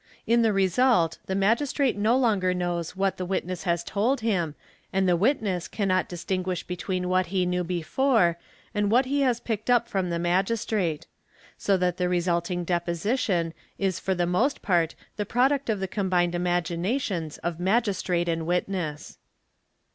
In the result, the Magistrate no longer knows what the witness has told him, and the witness cannot dis tinguish between what he knew before and what he has picked up from the Magistrate ; so that the resulting deposition is for the most part the — product of the combined imaginations of Magistrate and witness.